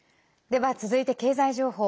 では、続いて経済情報。